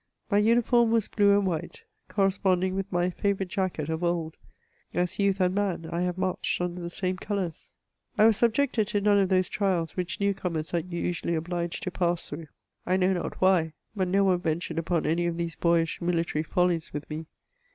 My uniform was blue and white, corresponding with my favourite jacket of old ; as youth and man I have marched under the same colours. I was sub 158 MEMOIRS OF jected to none of those trials whieh new comers are usually obliged to pass through ; I know not why, but no one ventured upon any of these boyish military follies with me.